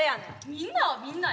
みんなはみんなやん。